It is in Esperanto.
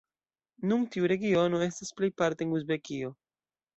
Nun tiu regiono estas plejparte en Uzbekio.